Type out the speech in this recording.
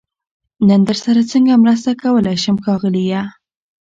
نن درسره سنګه مرسته کولای شم ښاغليه🤗